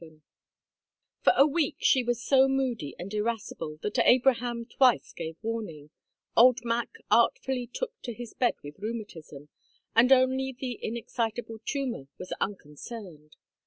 VII For a week she was so moody and irascible that Abraham twice gave warning, Old Mac artfully took to his bed with rheumatism, and only the inexcitable Chuma was unconcerned.